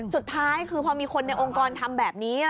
สุดท้ายคือพอมีคนในองค์กรทำแบบนี้